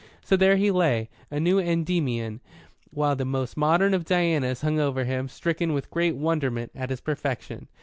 So there he lay, a new Endymion, while the most modern of Dianas hung over him, stricken with great wonderment at his perfection.